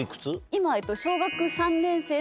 今。